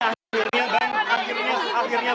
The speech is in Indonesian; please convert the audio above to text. dan juga melihat status gc atau justice collaboration